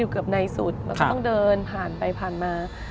เกือบในสุดมันก็ต้องเดินผ่านไปผ่านมา